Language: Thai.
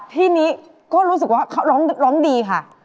ที่นี้ก็รู้สึกว่าเขาร้องดีค่ะ